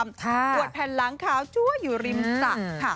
อวดแผ่นล้างขาวจั๊วอยู่ริมตะค่ะ